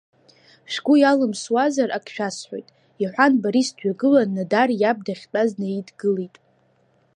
Шәгәы иалымсуазар ак шәасҳәоит, – иҳәан Борис дҩагылан, Нодар иаб дахьтәаз днаидгылеит.